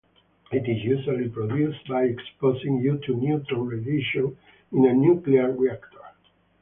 It is usually produced by exposing U to neutron radiation in a nuclear reactor.